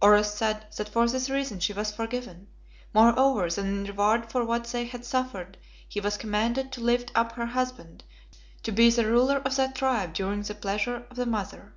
Oros said that for this reason she was forgiven; moreover, that in reward for what they had suffered he was commanded to lift up her husband to be the ruler of that tribe during the pleasure of the Mother.